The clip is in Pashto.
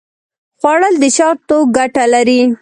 خوړل د شاتو ګټه لري